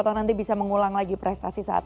atau nanti bisa mengulang lagi prestasi saat